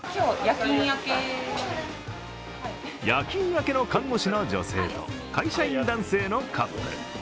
夜勤明けの看護師の女性と会社員男性のカップル。